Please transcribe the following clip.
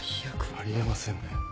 あり得ませんね。